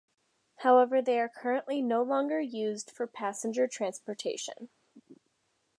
However, they are currently no longer used for passenger transportation.